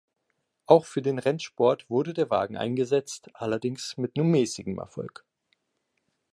Auch für den Rennsport wurde der Wagen eingesetzt, allerdings mit nur mäßigem Erfolg.